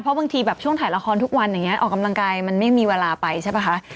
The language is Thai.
เพราะบางทีแบบช่วงถ่ายละครทุกวันอย่างนี้ออกกำลังกายมันไม่มีเวลาไปใช่ป่ะคะ